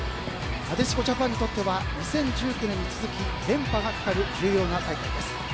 なでしこジャパンにとっては２０１９年に続き連覇がかかる重要な大会です。